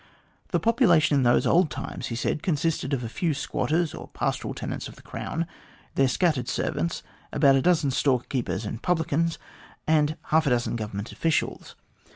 The population in those old times, he said, consisted of a few squatters or pastoral tenants of the Crown, their scattered servants, about a dozen store keepers and publicans, and half a dozen Government officials.